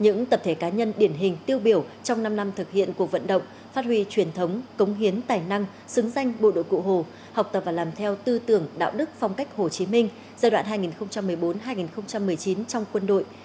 những tập thể cá nhân điển hình tiêu biểu trong năm năm thực hiện cuộc vận động phát huy truyền thống cống hiến tài năng xứng danh bộ đội cụ hồ học tập và làm theo tư tưởng đạo đức phong cách hồ chí minh giai đoạn hai nghìn một mươi bốn hai nghìn một mươi chín trong quân đội